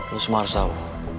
lu semua harus tau